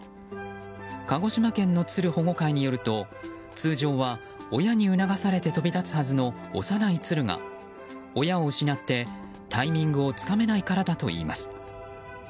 鹿児島県のツル保護会によると通常は親に促されて飛び立つはずの幼いツルが、親を失ってタイミングをつかめないからだといいます。